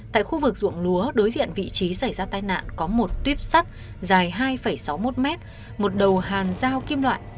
tại khu vực ruộng lúa đối diện vị trí xảy ra tai nạn có một tuyếp sắt dài hai sáu mươi một m một đầu hàn dao kim loại